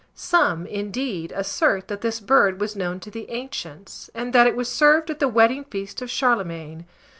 Some, indeed, assert that this bird was known to the ancients, and that it was served at the wedding feast of Charlemagne.